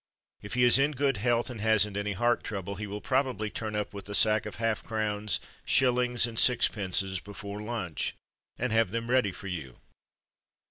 If he is in good health and hasn't any heart trouble he will probably turn up with the sack of half crowns, shillings, and sixpences before lunch, and have them ready for you.